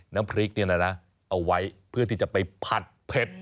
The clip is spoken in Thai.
น้ำพริกเนี่ยนะเอาไว้เพื่อที่จะไปผัดเผ็ด